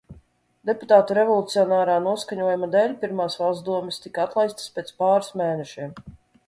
Deputātu revolucionārā noskaņojuma dēļ pirmās Valsts domes tika atlaistas pēc pāris mēnešiem.